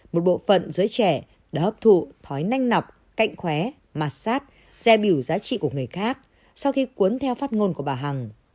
một bộ phận giới trẻ đã hấp thụ thói nọc cạnh khóe mặt sát gie biểu giá trị của người khác sau khi cuốn theo phát ngôn của bà hằng